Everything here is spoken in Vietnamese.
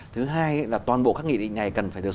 thứ hai là toàn bộ các nghị định này cần phải được